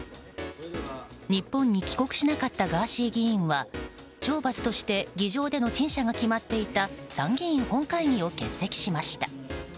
日本に帰国しなかったガーシー議員は懲罰として議場での陳謝が決まっていた参議院本会議を欠席しました。